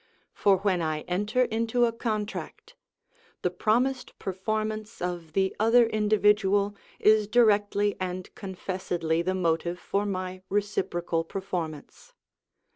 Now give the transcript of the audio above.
For when I enter into a contract, the promised performance of the other individual is directly and confessedly the motive for my reciprocal performance.